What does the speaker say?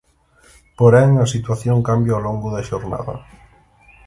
Porén, a situación cambia ao longo da xornada.